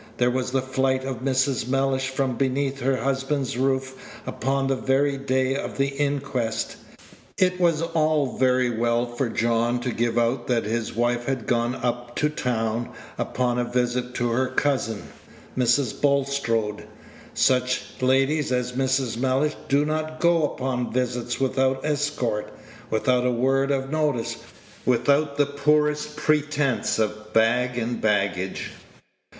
There was the flight of Mrs. Mellish from beneath her husband's roof upon the very day of the inquest. It was all very well for John to give out that his wife had gone up to town upon a visit to her cousin, Mrs. Bulstrode. Such ladies as Mrs. Mellish do not go upon visits without escort, without a word of notice, without the poorest pretence of bag and baggage.